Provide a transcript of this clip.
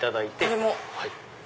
これも。